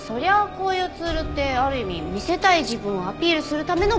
こういうツールってある意味見せたい自分をアピールするための場所ですから。